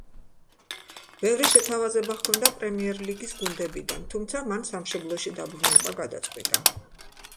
ბევრი შეთავაზება ჰქონდა პრემიერ ლიგის გუნდებიდან, თუმცა მან სამშობლოში დაბრუნება გადაწყვიტა.